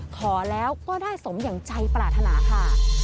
ขอแล้วก็ได้สมอย่างใจปรารถนาค่ะ